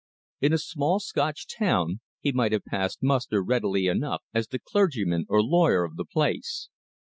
In a small Scotch town he might have passed muster readily enough as the clergyman or lawyer of the place.